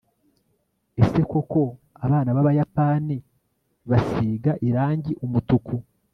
ese koko abana b'abayapani basiga irangi umutuku